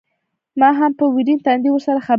ما هم په ورين تندي ورسره خبرې کولې.